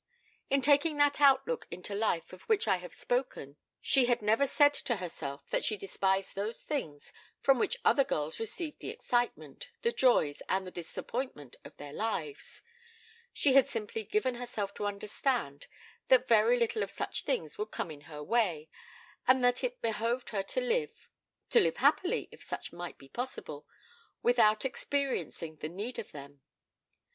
In taking that outlook into life of which I have spoken she had never said to herself that she despised those things from which other girls received the excitement, the joys, and the disappointment of their lives. She had simply given herself to understand that very little of such things would come in her way, and that it behoved her to live to live happily if such might be possible without experiencing the need of them.